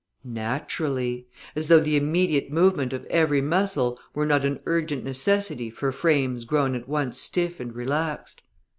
Naturally! As though the immediate movement of every muscle were not an urgent necessity for frames grown at once stiff and relaxed!